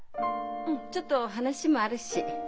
うんちょっと話もあるし。